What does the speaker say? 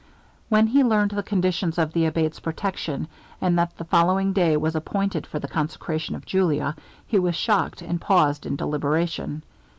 When he learned the conditions of the Abate's protection, and that the following day was appointed for the consecration of Julia, he was shocked, and paused in deliberation.